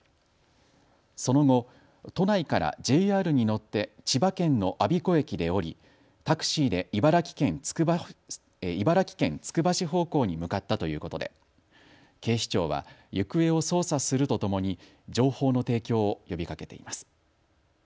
その後、都内からＪＲに乗って千葉県の我孫子駅で降りタクシーで茨城県つくば市方向に向かったということで警視庁は行方を捜査するとともに情報の提供を呼びかけています。